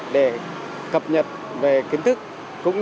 để cập nhật về kiến thức